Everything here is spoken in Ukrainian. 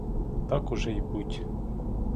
Так уже й буть.